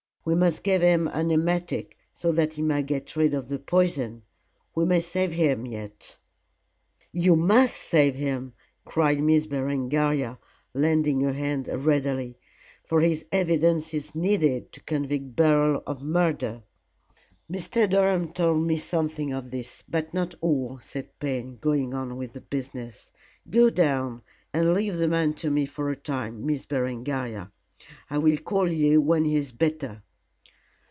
We must give him an emetic, so that he may get rid of the poison. We may save him yet." "You must save him!" cried Miss Berengaria, lending a hand readily, "for his evidence is needed to convict Beryl of murder." "Mr. Durham told me something of this, but not all," said Payne, going on with the business. "Go down and leave the man to me for a time, Miss Berengaria. I will call you when he is better."